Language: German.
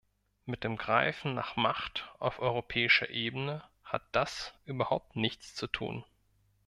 Mit dem Greifen nach Macht auf europäischer Ebene hat das überhaupt nichts zu tun.